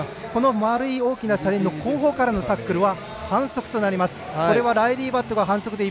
丸い大きな車輪の後方からのタックルは反則となります。